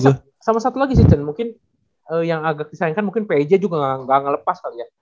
eh sama satu lagi sih chen mungkin yang agak disayangkan mungkin p i j juga ga ngelepas kali ya